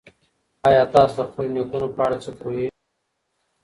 ایا تاسي د خپلو نیکونو په اړه څه پوهېږئ؟